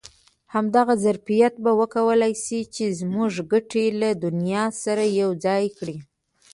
همدغه ظرفیت به وکولای شي چې زموږ ګټې له دنیا سره یو ځای کړي.